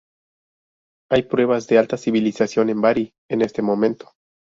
Hay pruebas de alta civilización en Bari en este momento.